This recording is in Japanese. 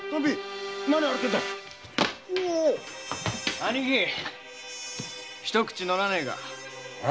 兄貴一口のらねえか？